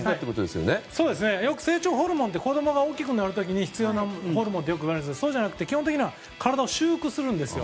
成長ホルモンって子供が大きくなる時に必要なホルモンとよく言われるんですけどそうじゃなくて、基本的には体を修復するんですよ。